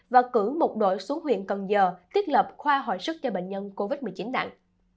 và cử một đội xuống huyện cần giờ thiết lập khoa hồi sức cho bệnh nhân covid một mươi chín nặng